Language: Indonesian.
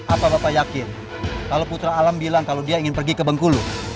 apa bapak yakin kalau putra alam bilang kalau dia ingin pergi ke bengkulu